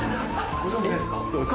ご存じないですか？